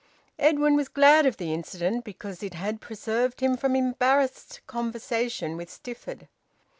Edwin was glad of the incident because it had preserved him from embarrassed conversation with Stifford.